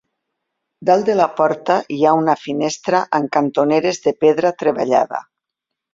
Dalt de la porta hi ha una finestra amb cantoneres de pedra treballada.